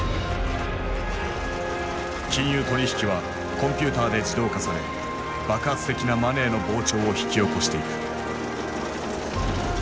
金融取引はコンピューターで自動化され爆発的なマネーの膨張を引き起こしていく。